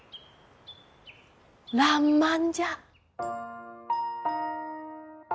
らんまんじゃ。